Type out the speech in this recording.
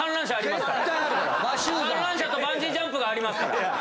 観覧車とバンジージャンプがありますから。